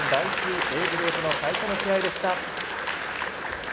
Ａグループの最初の試合でした。